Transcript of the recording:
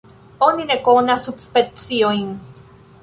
Oni ne konas subspeciojn.